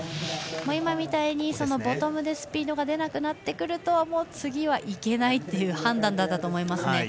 今みたいに、ボトムでスピードが出なくなると次はいけないという判断だったと思います。